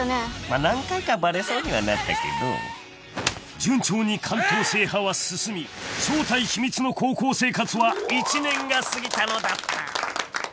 ［まあ何回かバレそうにはなったけど順調に関東制覇は進み正体秘密の高校生活は１年が過ぎたのだった］